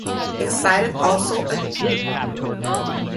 Excite also acquired photo sharing company Webshots.